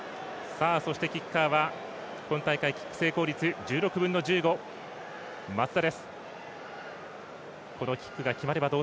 そして、キッカーは今大会、キック成功率１６分の１５、松田。